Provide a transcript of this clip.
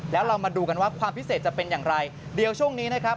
แล้วเรามาดูกันว่าความพิเศษจะเป็นอย่างไรเดี๋ยวช่วงนี้นะครับ